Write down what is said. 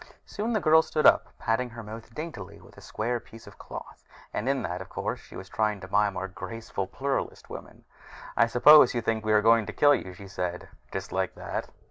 Soon the girl stood up, patting her mouth daintily with a square of cloth, and in that, of course, she was trying to mime our graceful Pluralist women. "I suppose you think we are going to kill you," she said. Just like that.